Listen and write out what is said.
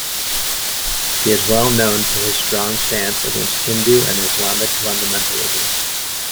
He is well known for his strong stance against Hindu and Islamic fundamentalism.